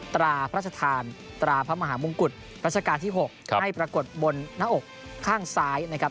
พระราชทานตราพระมหามงกุฎรัชกาลที่๖ให้ปรากฏบนหน้าอกข้างซ้ายนะครับ